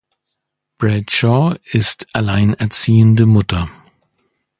Bradshaw ist alleinerziehende Mutter.